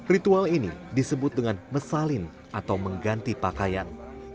ritual ini disebut dengan mesalin atau mengganti pakaian